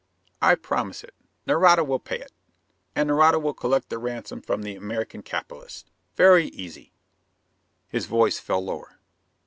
"I promise it. Nareda will pay it and Nareda will collect the ransom from the American capitalists. Very easy." His voice fell lower.